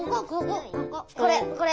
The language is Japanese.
これこれ。